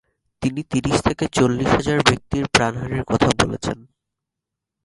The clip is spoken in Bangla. তিনি ত্রিশ থেকে চল্লিশ হাজার ব্যক্তির প্রাণহানির কথা বলেছেন।